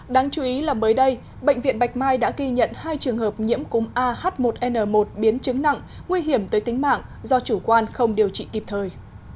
đáng chú ý là mới đây bệnh viện bạch mai đã ghi nhận hai trường hợp nhiễm cúm ah một n một biến chứng nặng nguy hiểm tới tính mạng do chủ quan không điều trị kịp thời